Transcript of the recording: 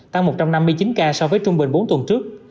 tăng một trăm năm mươi chín ca so với trung bình bốn tuần trước